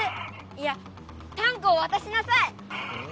いやタンクをわたしなさい！